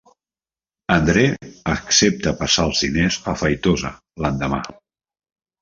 André accepta passar els diners a Feitosa l'endemà.